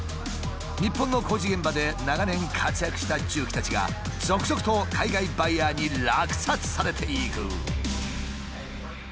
日本の工事現場で長年活躍した重機たちが続々と海外バイヤーに落札されていく。